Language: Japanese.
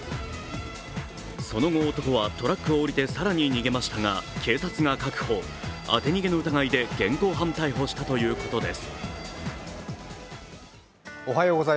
その後、男はトラックを降りて逃走しましたが警察が確保、当て逃げの疑いで現行犯逮捕したということです。